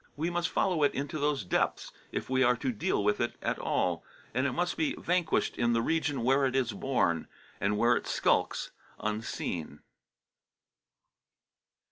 We must follow it into those depths if we are to deal with it at all, and it must be vanquished in the region where it is born, and where it skulks unseen.